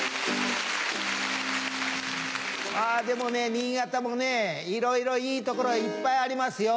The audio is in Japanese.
でもね新潟もいろいろいい所いっぱいありますよ。